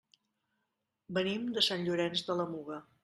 Venim de Sant Llorenç de la Muga.